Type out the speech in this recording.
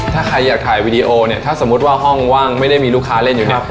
ถ้าใครอยากถ่ายวีดีโอเนี่ยถ้าสมมุติว่าห้องว่างไม่ได้มีลูกค้าเล่นอยู่เนี่ย